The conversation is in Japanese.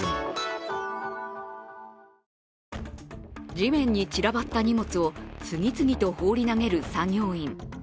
地面に散らばった荷物を次々と放り投げる作業員。